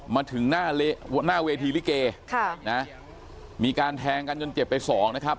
มาถึงหน้าเวทีลิเกค่ะนะมีการแทงกันจนเจ็บไปสองนะครับ